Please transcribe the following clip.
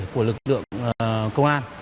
của lực lượng công an